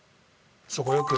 そこよく。